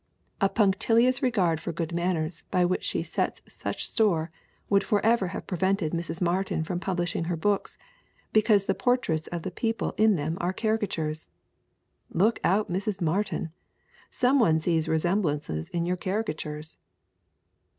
"A punctilious regard for good manners by which she sets such store would forever have prevented Mrs. Martin from publishing her books, because the por traits of the people in them are caricatures." Look out, Mrs. Martin! Some one sees resemblances in your caricatures